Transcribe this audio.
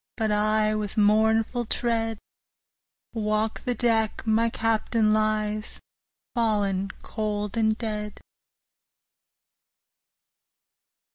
But I, with mournful tread, Walk the deck my Captain lies, Fallen cold and dead.